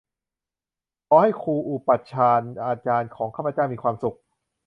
ขอให้ครูอุปัชฌาย์อาจารย์ของข้าพเจ้ามีความสุข